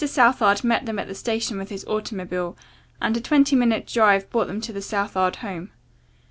Southard met them at the station with his automobile, and a twenty minutes' drive brought them to the Southard home.